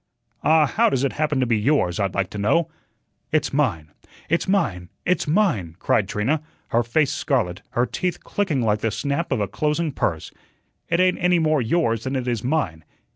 "Ah, how does it happen to be yours, I'd like to know?" "It's mine! It's mine! It's mine!" cried Trina, her face scarlet, her teeth clicking like the snap of a closing purse. "It ain't any more yours than it is mine."